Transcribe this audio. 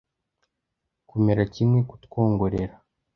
kumera kimwe, kutwongorera.